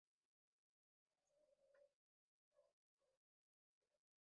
El disco se rumorea que se llame como el primer single Ruido.